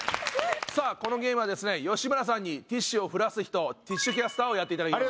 さあこのゲームはですね吉村さんにティッシュを降らす人ティッシュキャスターをやっていただきます。